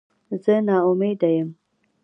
زه نا امیده یم